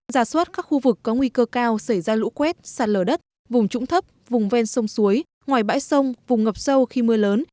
giả soát các khu vực có nguy cơ cao xảy ra lũ quét sạt lở đất vùng trũng thấp vùng ven sông suối ngoài bãi sông vùng ngập sâu khi mưa lớn